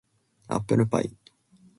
アップルパイ